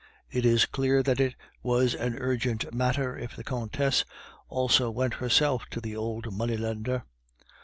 It is clear that it was an urgent matter if the Countess also went herself to the old money lender.